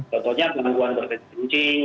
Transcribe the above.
contohnya gangguan bersecing